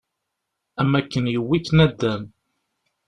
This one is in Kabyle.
Am akken yewwi-k naddam.